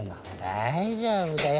大丈夫だよ。